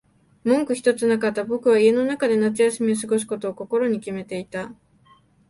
文句ひとつなかった。僕は家の中で夏休みを過ごすことを心に決めていた。